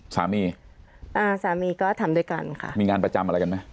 สามีอ่าสามีก็ทำด้วยกันค่ะมีงานประจำอะไรกันไหม